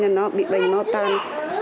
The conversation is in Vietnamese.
là nó bị bệnh lo tàn